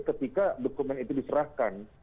ketika dokumen itu diserahkan